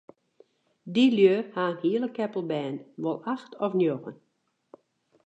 Dy lju ha in hiele keppel bern, wol acht of njoggen.